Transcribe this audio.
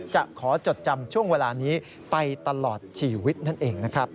จะขอจดจำช่วงเวลานี้ไปตลอดชีวิตนั่นเองนะครับ